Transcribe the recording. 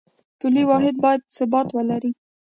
پولي واحد باید ثبات ولري